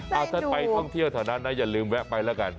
เอาเต้นไปท่องเที่ยวเถอะนะอย่าลืมแวะไปละกัน